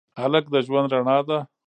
هلک د ژوند رڼا ده.